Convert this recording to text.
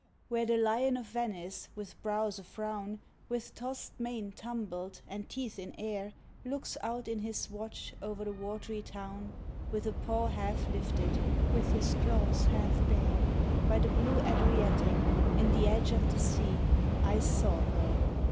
Where the lion of Venice, with brows afrown, With tossed mane tumbled, and teeth in air, Looks out in his watch o’er the watery town, With a paw half lifted, with his claws half bare, By the blue Adriatic, in the edge of the sea, I saw her.